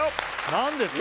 何ですか？